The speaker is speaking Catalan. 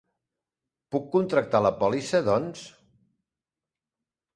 Puc contractar la pòlissa, doncs?